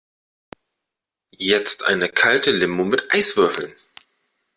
Jetzt eine kalte Limo mit Eiswürfeln!